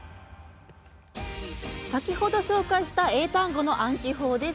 先ほど紹介した英単語の暗記法です。